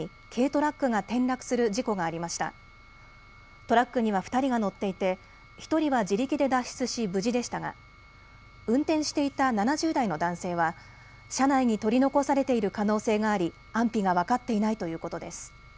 トラックには２人が乗っていて１人は自力で脱出し無事でしたが運転していた７０代の男性は車内に取り残されている可能性があり安否が分かっていないということです。